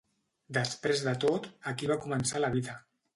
Després de tot, aquí va començar la vida.